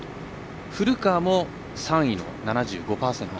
古川も３位の７５％。